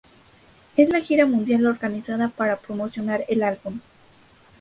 Es la gira mundial organizada para promocionar el álbum.